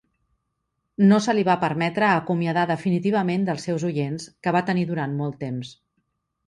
No se li va permetre acomiadar definitivament dels seus oients que va tenir durant molt temps.